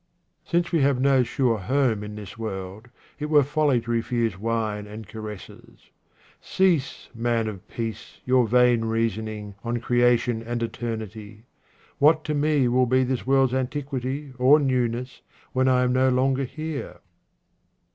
Since we have no sure home in this world, it were folly to refuse wine and caresses. Cease, man of peace, your vain reasoning on creation and eternity : what to me will be this world's antiquity or newness when I am no longer here